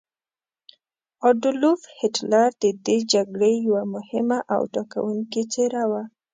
اډولف هیټلر د دې جګړې یوه مهمه او ټاکونکې څیره وه.